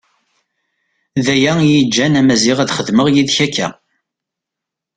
D aya iyi-iǧǧan a Maziɣ ad xedmeɣ yid-k akka.